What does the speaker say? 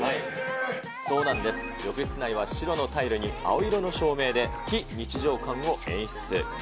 そうなんです、浴室内は白のタイルに青色の照明で、非日常感を演出。